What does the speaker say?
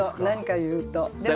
何か言うと。